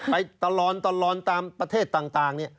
ไปตลอดตามประเทศต่างเนี่ย